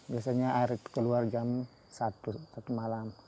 biasanya air keluar jam satu satu malam